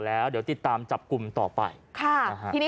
แล้วติดตามจับกลุ่มต่อไป